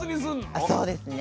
あそうですね。